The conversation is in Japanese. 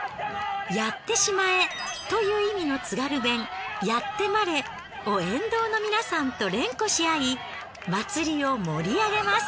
「やってしまえ」という意味の津軽弁「やってまれ」を沿道の皆さんと連呼しあい祭りを盛り上げます。